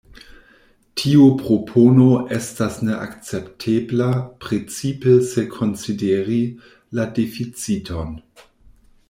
Tiu propono estas ne akceptebla, precipe se konsideri la deficiton.